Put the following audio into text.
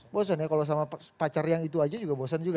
bosan ya kalau sama pacar yang itu aja juga bosan juga